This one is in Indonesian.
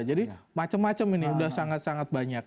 jadi macam macam ini sudah sangat sangat banyak